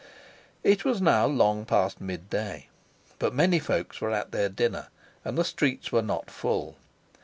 It was now long past midday, but many folks were at their dinner and the streets were not full.